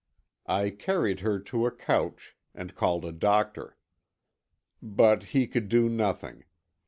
I carried her to a couch, and called a doctor. But he could do nothing.